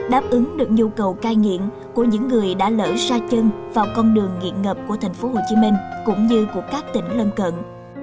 đáp ứng được nhu cầu cai nghiện của những người đã lỡ xa chân vào con đường nghiện ngập của tp hcm cũng như của các tỉnh lân cận